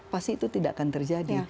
pasti itu tidak akan terjadi